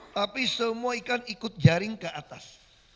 tapi semua ikan ikut jaring ke atas